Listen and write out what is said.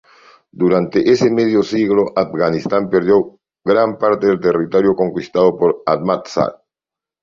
Durante ese medio siglo, Afganistán perdió gran parte del territorio conquistado por Ahmad Sah.